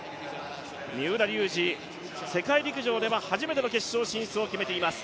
三浦龍司、世界陸上では初めての決勝進出を決めています。